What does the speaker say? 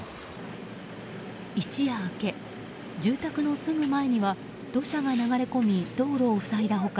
一夜明け、住宅のすぐ前には土砂が流れ込み道路を塞いだ他